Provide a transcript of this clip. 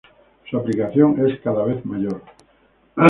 Su aplicación es cada vez mayor.